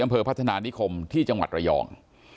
อำเภอพัฒนานิคมที่จังหวัดระยอง